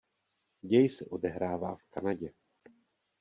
Děj se odehrává v Kanadě.